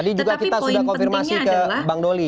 tetapi poin pentingnya adalah